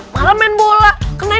kacau kacau kacau